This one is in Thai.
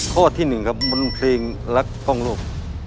ข้อที่หนึ่งครับมนต์เพลงรักกล้องโลก